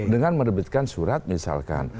dengan merebutkan surat misalkan